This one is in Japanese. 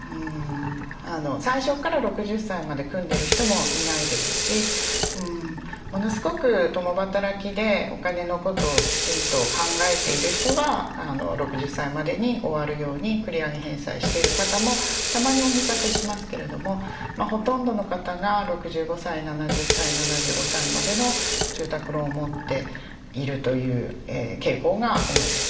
最初から６０歳まで組んでる人もいないですしものすごく共働きでお金のことをきちんと考えている人は６０歳までに終わるように繰り上げ返済している方もたまにお見かけしますけれどもほとんどの方が６５歳７０歳７５歳までの住宅ローンを持っているという傾向が多いです。